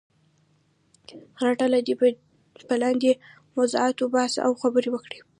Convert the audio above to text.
هره ډله دې په لاندې موضوعاتو بحث او خبرې وکړي.